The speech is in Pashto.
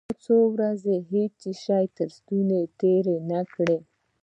ما څو ورځې هېڅ شى تر ستوني تېر نه کړل.